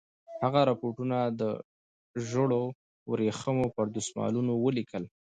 هغه رپوټونه د ژړو ورېښمو پر دسمالونو ولیکل.